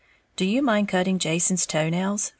"Do you mind cutting Jason's toe nails?"